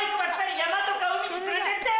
山とか海に連れてって！